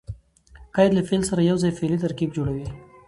قید له فعل سره یوځای فعلي ترکیب جوړوي.